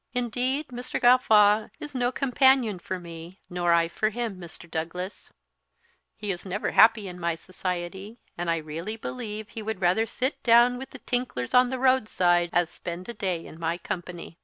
Indeed, Mr. Gawffaw is no companion for me, nor I for him, Mr. Douglas; he is never happy in my society, and I really believe he would rather sit down with the tinklers on the roadside as spend a day in my company."